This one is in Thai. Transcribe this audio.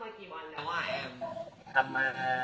วันนี้ทำมากี่วันแล้วอ่ะแอม